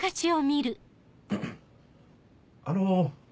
あの。